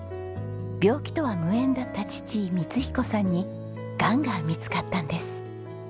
病気とは無縁だった父光彦さんにがんが見つかったんです。